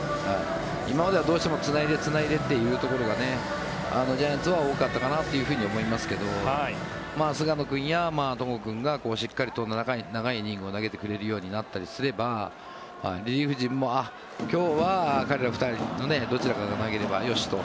今まではどうしてもつないで、つないでというところがジャイアンツは多かったかなと思いますけど菅野君や戸郷君がしっかり長いイニングを投げてくれるようになったりすればリリーフ陣も今日は彼ら２人のどちらかが投げればよしと。